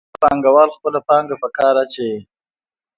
کله چې پانګوال خپله پانګه په کار اچوي